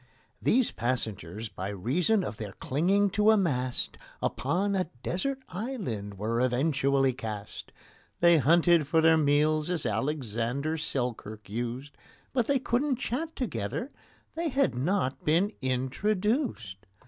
These passengers, by reason of their clinging to a mast, Upon a desert island were eventually cast. They hunted for their meals, as ALEXANDER SELKIRK used, But they couldn't chat together—they had not been introduced.